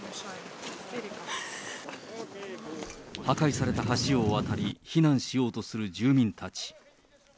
破壊された橋を渡り、避難しようとする住民たち。